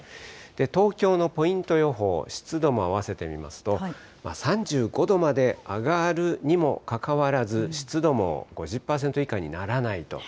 東京のポイント予報、湿度もあわせて見ますと、３５度まで上がるにもかかわらず、湿度も５０％以下にならないと。